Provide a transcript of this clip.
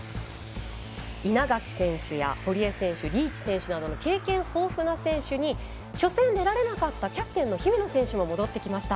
稲垣選手や堀江選手リーチ選手などの経験豊富な選手に初戦出られなかったキャプテンの姫野選手も戻ってきました。